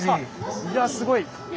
いやすごい。